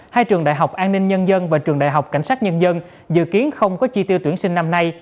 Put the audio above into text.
hai trường đại học an ninh nhân dân và trường đại học cảnh sát nhân dân dự kiến không có chi tiêu tuyển sinh năm nay